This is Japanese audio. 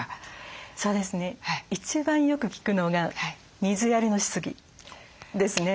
そうですね一番よく聞くのが水やりのしすぎですね。